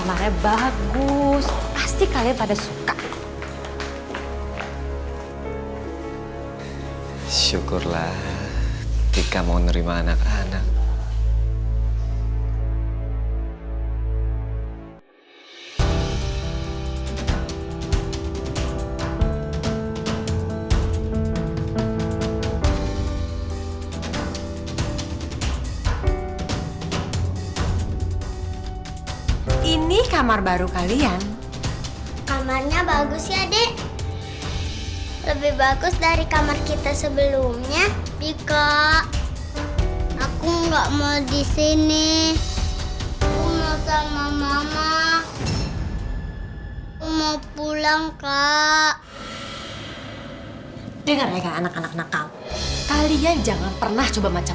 mama yakin banget kamu itu kan kuat pasti kamu bisa sembuh dan kamu gak nangis ya